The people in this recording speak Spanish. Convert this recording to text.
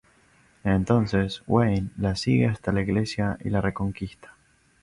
Entonces Wayne la sigue hasta la iglesia y la reconquista.